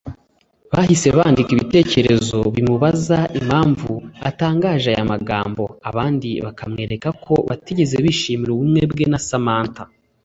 bahise bandika ibitekerezo bimubaza impamvu atangaje aya magambo abandi bakamwereka ko batigeze bishimira ubumwe bwe na Samantha